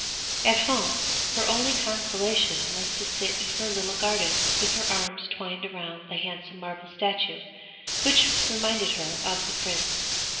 At home her only consolation was to sit in her little garden with her arms twined round the handsome marble statue which reminded her of the prince.